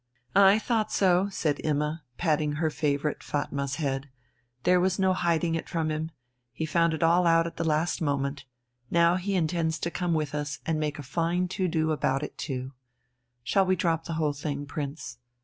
"I thought so," said Imma, patting her favourite Fatma's head, "there was no hiding it from him. He found it all out at the last moment. Now he intends to come with us and make a fine to do about it too. Shall we drop the whole thing, Prince?"